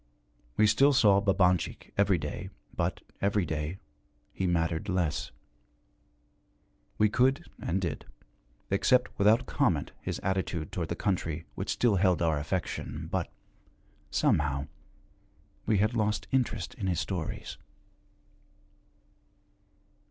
We still saw Babanchik every day, but, every day, he mattered less. We could, and did, accept without comment his attitude toward the country which still held our affection, but, somehow, we had lost interest in his stories.